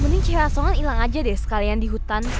mending cewek asongan ilang aja deh sekalian di hutan